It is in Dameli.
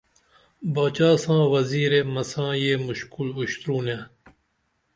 باچا ساں وزیرے مساں یہ مشُکول اُشترونے